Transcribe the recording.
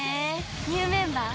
ニューメンバー？